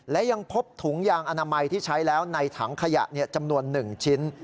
และยังพบถุงยางอนามัยที่ใช้แล้วในถังขยะจำนวน๑ชิ้น